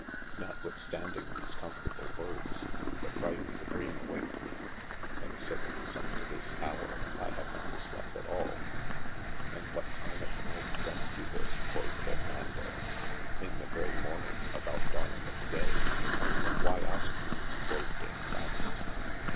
Notwithstanding these comfortable words, the fright of the dreame awaked me, and sithens unto this hower I have not slept at al. And what time of the night dreamt you this quod Fardinando ? In the grey morning about dawning of the day, but why aske you quod Dame Frances